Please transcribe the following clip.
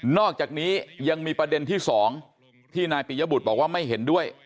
อกจากนี้ยังมีประเด็นที่๒ที่นายปิยบุตรบอกว่าไม่เห็นด้วย